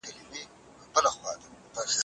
شینولۍ